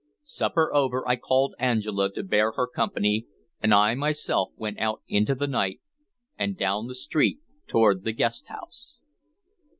Supper over, I called Angela to bear her company, and I myself went out into the night, and down the street toward the guest house.